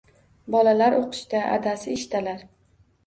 Bolalar o‘qishda, adasi ishdalar.